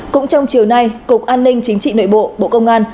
cũng trong chiều nay cục an ninh chính trị nội bộ bộ công an